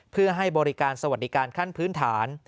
เพื่อให้บริการสวัสดิการขั้นพื้นฐาน